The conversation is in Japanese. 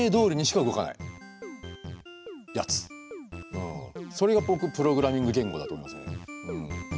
ではそれが僕プログラミング言語だと思いますね。